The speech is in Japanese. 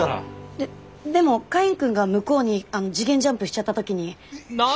ででもカインくんが向こうに次元ジャンプしちゃった時に。